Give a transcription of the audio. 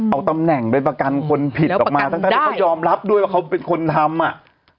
เอาตำแหน่งประกันคนผิดออกมาถ้าหรือเขายอมรับด้วยแล้วเป็นคนทำ